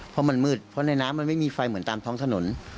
เพราะมันมืดเพราะในน้ำมันไม่มีไฟเหมือนตามท้องถนน